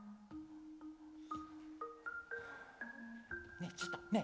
ねえちょっとねえ